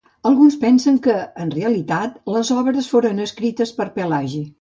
Alguns pensen que en realitat les obres foren escrites per Pelagi.